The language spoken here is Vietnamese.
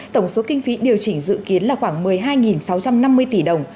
tổng số kinh phí điều chỉnh dự kiến là khoảng một mươi hai sáu trăm năm mươi tỷ đồng